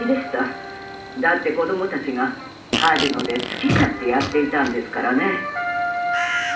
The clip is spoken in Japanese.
だって子供たちがカジノで好き勝手やっていたんですからね。